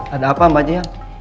ada apa mbak nia